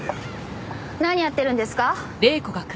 何やってるんですか？